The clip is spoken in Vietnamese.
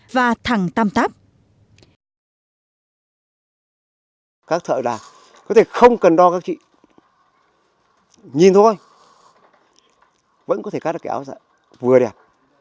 và thẳng tăm tắp